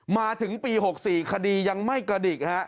มาถึงปี๖๔คดียังไม่กระดิก